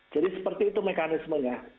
jadi seperti itu mekanismenya